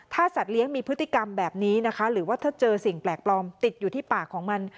ถ้าสัตว์เลี้ยงมีพฤติกรรมแบบนี้นะคะหรือว่าถ้าเจอสิ่งแปลกปลอมติดอยู่ที่ปากของมัน